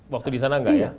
waktu di sana enggak ya